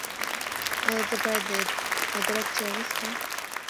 ایا زه باید د ادرک چای وڅښم؟